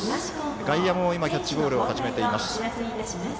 外野もキャッチボールしています。